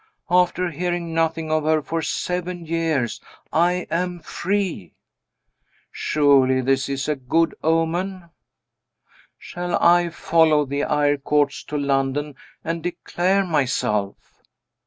After hearing nothing of her for seven years I am free! Surely this is a good omen? Shall I follow the Eyrecourts to London, and declare myself?